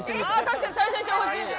確かに対戦してほしい！